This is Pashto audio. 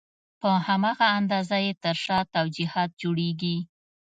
په هماغه اندازه یې تر شا توجیهات جوړېږي.